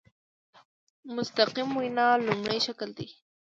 مستقیم معاینه لومړی شکل دی.